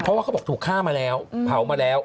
เพราะว่าเขาบอกถูกฆ่ามาแล้วเผามาแล้ว